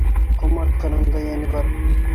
Ҡомартҡының да йәне бар.